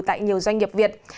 tại nhiều doanh nghiệp việt